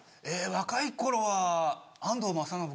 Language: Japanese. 若い頃は安藤政信君。